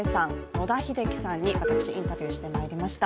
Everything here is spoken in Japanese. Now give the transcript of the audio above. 野田秀樹さんに私、インタビューしてまいりました。